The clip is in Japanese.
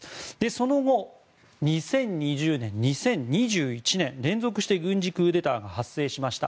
その後、２０２０年、２０２１年連続して軍事クーデターが発生しました。